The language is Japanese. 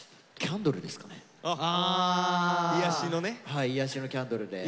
はい癒やしのキャンドルで。